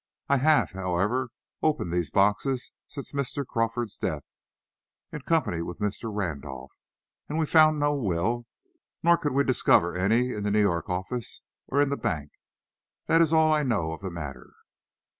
I have, however, opened these boxes since Mr. Crawford's death, in company with Mr. Randolph, and we found no will. Nor could we discover any in the New York office or in the bank. That is all I know of the matter."